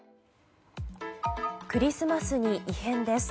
クリスマスに異変です。